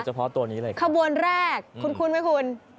เฉพาะตัวนี้เลยครับขบวนแรกคุ้นไหมคุณ